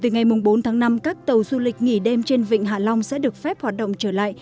năm các tàu du lịch nghỉ đêm trên vịnh hải long sẽ được phép hoạt động trở lại